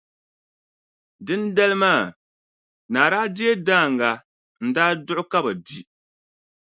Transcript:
Dindali maa, naa daa deei daaŋa n-daa duɣi ka bɛ di.